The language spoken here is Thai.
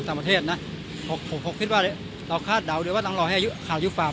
เราคาดเดาอยู่แล้วว่าต้องขอให้ขาดอายุความ